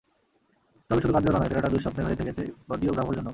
তবে শুধু গার্দিওলা নন, ফেরাটা দুঃস্বপ্নের হয়ে থেকেছে ক্লদিও ব্রাভোর জন্যও।